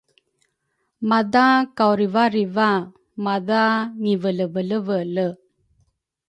madha kauriva-riva! madha ngivelevelevele!